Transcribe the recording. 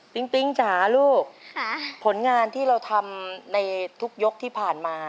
ปิ๊งจ๋าลูกผลงานที่เราทำในทุกยกที่ผ่านมา